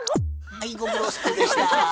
はいご苦労さんでした。